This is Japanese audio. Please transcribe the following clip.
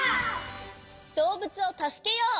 どうぶつをたすけよう！